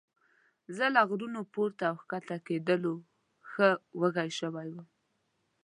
زه له غرونو پورته او ښکته کېدلو ښه وږی شوی وم.